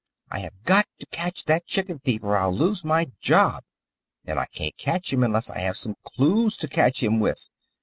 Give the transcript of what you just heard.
I have got to catch that chicken thief or I'll lose my job, and I can't catch him unless I have some clues to catch him with.